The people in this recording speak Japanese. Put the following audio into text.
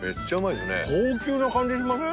高級な感じしません？